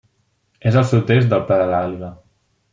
És al sud-est del Pla de l'Àliga.